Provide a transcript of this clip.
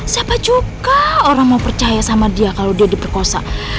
siapa juga orang mau percaya sama dia kalau dia diperkosa